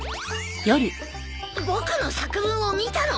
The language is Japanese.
僕の作文を見たの！？